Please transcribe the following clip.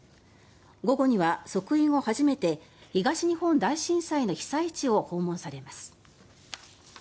午後には即位後初めて東日本大震災の被災地を訪問されます。